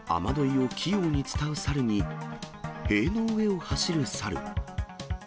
雨どいを器用に伝うサルに、塀の上を走るサル。